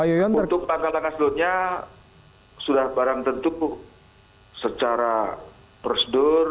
untuk tanggal tanggal selanjutnya sudah barang tentu secara prosedur